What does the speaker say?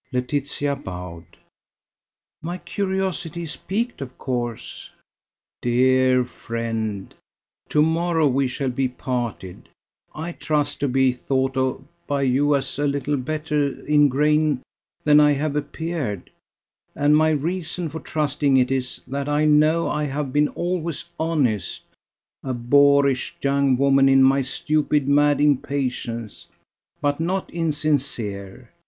Laetitia bowed. "My curiosity is piqued, of course." "Dear friend, to morrow we shall be parted. I trust to be thought of by you as a little better in grain than I have appeared, and my reason for trusting it is that I know I have been always honest a boorish young woman in my stupid mad impatience: but not insincere.